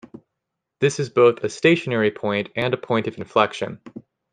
This is both a stationary point and a point of inflection.